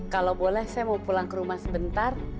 kalau boleh saya mau pulang ke rumah sebentar